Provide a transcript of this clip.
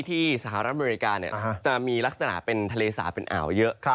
สหรัฐอเมริกาจะมีลักษณะเป็นทะเลสาบเป็นอ่าวเยอะ